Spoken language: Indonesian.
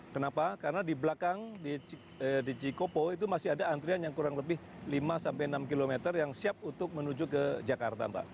kenapa karena di belakang di cikopo itu masih ada antrian yang kurang lebih lima sampai enam km yang siap untuk menuju ke jakarta mbak